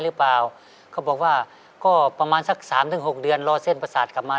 เขาบอกว่าก็ประมาณสัก๓๖เดือนรอเส้นประสาทกลับมา